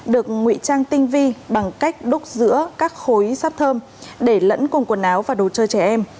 được ngụy trang tinh vi bằng cách đúc giữa các khối sát thơm để lẫn cùng quần áo và đồ chơi trẻ em